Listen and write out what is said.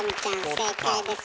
正解です。